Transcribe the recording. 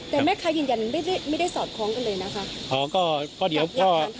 แต่แม่ค้ายืนยันไม่ได้สอบคล้องกันเลยนะครับ